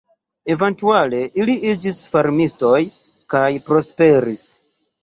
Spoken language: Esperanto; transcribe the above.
Eventuale, ili iĝis farmistoj kaj prosperis.